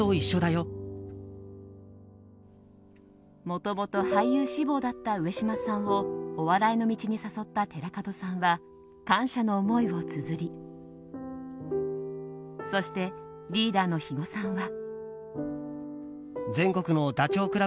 もともと俳優志望だった上島さんをお笑いの道に誘った寺門さんが感謝の思いをつづりそして、リーダーの肥後さんは。